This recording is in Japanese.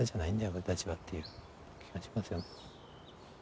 俺たちは」っていう気はしますよ。